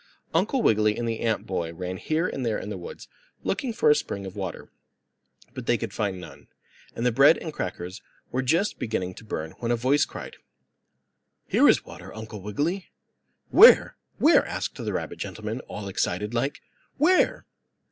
Uncle Wiggily and the ant boy ran here and there in the woods looking for a spring of water. But they could find none, and the bread and crackers were just beginning to burn when a voice cried: "Here is water, Uncle Wiggily!" "Where? Where?" asked the rabbit gentleman, all excited like. "Where?"